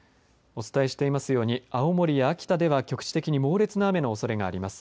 お伝えしていますように青森や秋田では局地的に猛烈な雨のおそれがあります。